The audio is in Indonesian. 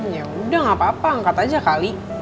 ya udah gak apa apa angkat aja kali